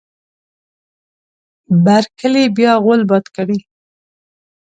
بر کلي بیا غول باد کړی.